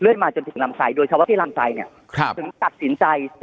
เหลือมาจนถึงลำทรายโดยเฉพาะที่ลำทรายเนี่ยครับหรือถึงตัดสินใจ